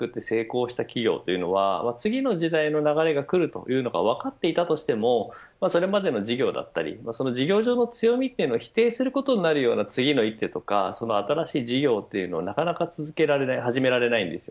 この新しい価値やビジネスモデルを作って成功した企業は次の時代の流れが来るというのが分かっていたとしてもそれまでの事業や事業上の強みを否定することになるような次の一手や新しい事業をなかなか続けられない始められないんです。